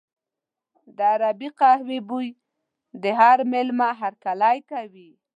د عربي قهوې بوی د هر مېلمه هرکلی کوي.